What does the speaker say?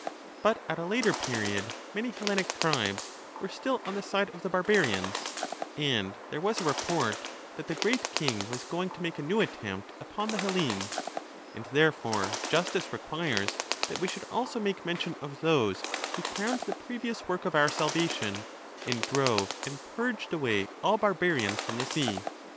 But at a later period many Hellenic tribes were still on the side of the barbarians, and there was a report that the great king was going to make a new attempt upon the Hellenes, and therefore justice requires that we should also make mention of those who crowned the previous work of our salvation, and drove and purged away all bar barians from the sea.